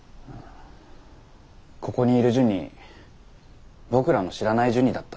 ここにいるジュニ僕らの知らないジュニだった。